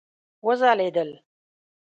وځلیدل